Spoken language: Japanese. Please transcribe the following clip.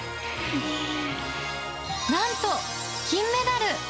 なんと、金メダル。